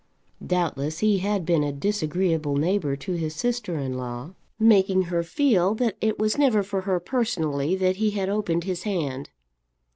Doubtless he had been a disagreeable neighbour to his sister in law, making her feel that it was never for her personally that he had opened his hand.